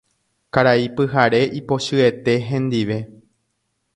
Karai Pyhare ipochyete hendive.